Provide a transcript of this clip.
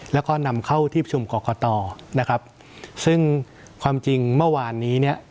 แล้วก็นำเข้าที่ประชุมกรกตนะครับซึ่งความจริงเมื่อวานนี้เนี่ย